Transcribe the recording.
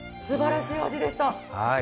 すばらしい味でした。